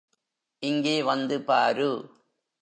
இங்கே வந்து பாரு!